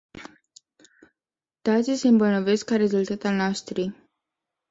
Tații nu se îmbolnăvesc ca rezultat al nașterii.